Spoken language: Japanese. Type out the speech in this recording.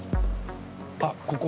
あっここ。